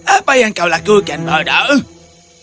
apa yang kau lakukan bodoh